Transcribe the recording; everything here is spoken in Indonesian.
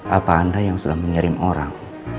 apa anda yang sudah mengirim orang